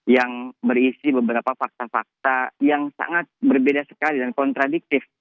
yang berisi beberapa fakta fakta yang sangat berbeda sekali dan kontradiktif